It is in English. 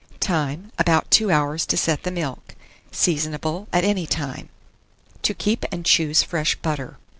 Time. About 2 hours to set the milk. Seasonable at any time. TO KEEP AND CHOOSE FRESH BUTTER.